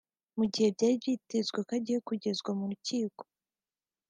Mu gihe byari byitezwe ko agiye kugezwa mu rukiko